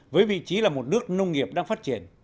với vị trí là một nước nông nghiệp đang phát triển